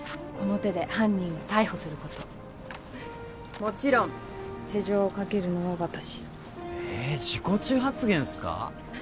この手で犯人を逮捕することもちろん手錠をかけるのは私えっ自己中発言っすか？